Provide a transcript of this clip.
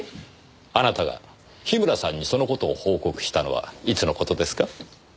あなたが樋村さんにその事を報告したのはいつの事ですか？